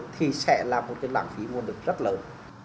thì lạng phí mua được rất lớn